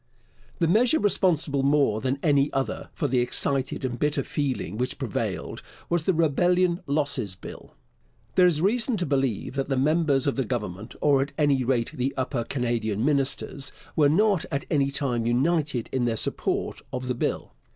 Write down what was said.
The measure responsible more than any other for the excited and bitter feeling which prevailed was the Rebellion Losses Bill. There is reason to believe that the members of the Government, or at any rate the Upper Canadian ministers, were not at any time united in their support of the Bill.